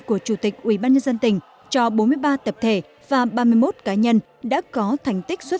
của chủ tịch ubnd tỉnh cho bốn mươi ba tập thể và ba mươi một cá nhân đã có thành tích xuất sắc